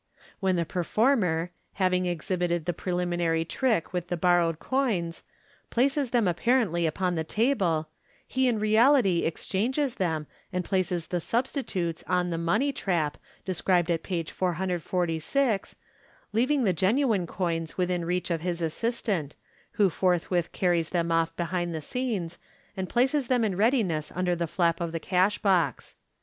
When the performer, having exhibited the preliminary trick with the borrowed coins, places them apparently upon the table, he in reality exchanges them, and places the substitutes on the " money trap n described at page 446, leaving the genuine coins within reach of his assistant, who forthwith carries them off behind the scenes, and places them in readiness under the flap of the cash box.